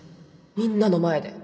みんなの前で